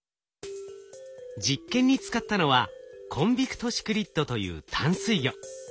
実験に使ったのはコンビクトシクリッドという淡水魚。